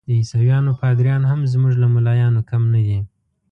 د عیسویانو پادریان هم زموږ له ملایانو کم نه دي.